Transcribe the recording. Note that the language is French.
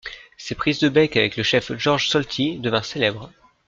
Ses prises de bec avec le chef Georg Solti devinrent célèbres.